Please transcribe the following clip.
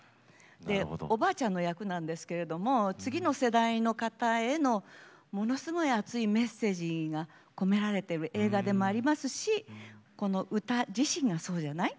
でおばあちゃんの役なんですけれども次の世代の方へのものすごい熱いメッセージが込められてる映画でもありますしこの歌自身がそうじゃない？